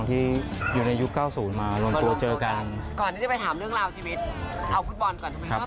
ไม่อยู่ที่สระภูตบอลและอยู่กับนักฟูตบอล